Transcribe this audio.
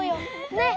ねっ！